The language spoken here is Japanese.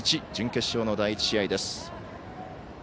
準決勝の第１試合です。